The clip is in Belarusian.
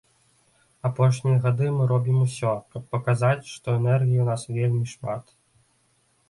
Апошнія гады мы робім усё, каб паказаць, што энергіі ў нас вельмі шмат.